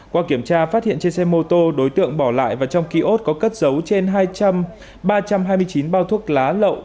qua kiểm tra phát hiện trên xe mô tô đối tượng bỏ lại và trong kiosk có cất dấu trên hai trăm ba trăm hai mươi chín bao thuốc lá lậu